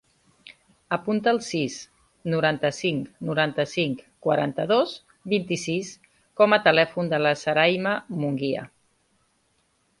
Apunta el sis, noranta-cinc, noranta-cinc, quaranta-dos, vint-i-sis com a telèfon de la Sarayma Munguia.